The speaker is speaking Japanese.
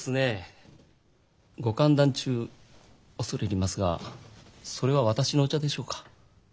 ご歓談中恐れ入りますがそれは私のお茶でしょうか？